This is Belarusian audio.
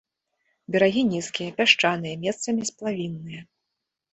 Берагі нізкія, пясчаныя, месцамі сплавінныя.